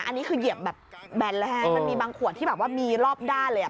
อันนี้คือเหยียบแบบแบนเลยฮะมันมีบางขวดที่แบบว่ามีรอบด้านเลยอ่ะ